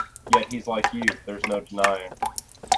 Yet he's like you, there's no denying.